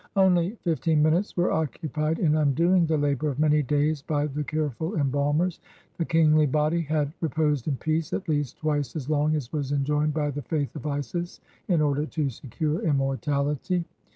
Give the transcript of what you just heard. Only fifteen minutes were occupied in undoing the labor of many days by the careful embalmers. The kingly body had "reposed in peace" at least twice as long as was enjoined by the faith of Isis in order to secure inmiortality.